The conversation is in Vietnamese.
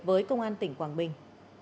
với công an tỉnh quảng bình